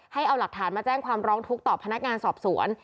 ให้เอาหลักฐานมาแจ้งความร้องทุกข์ต่อพนักงานสอบสวน